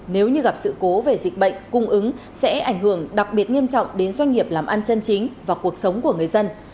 nếu như gặp sự cố về dịch bệnh cung ứng sẽ ảnh hưởng đặc biệt nghiêm trọng đến doanh nghiệp làm ăn chân chính và cuộc sống của người dân